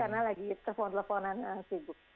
karena lagi keleponan leponan sibuk